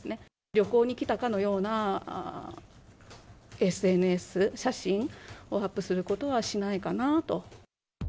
旅行に来たかのようなＳＮＳ、写真をアップすることはしないかなと。